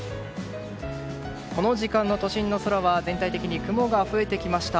この時間の都心の空は全体的に雲が増えてきました。